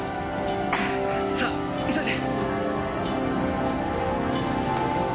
さあ急いで！